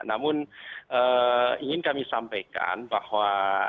namun ingin kami sampaikan bahwa